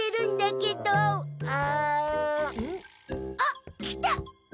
ん？あっ来た。